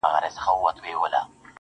ته مُلا په دې پېړۍ قال ـ قال کي کړې بدل.